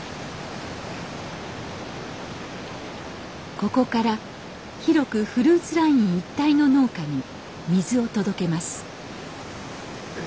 ここから広くフルーツライン一帯の農家に水を届けます。